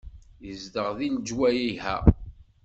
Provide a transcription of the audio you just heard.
Yezdeɣ deg lejwayeh-a.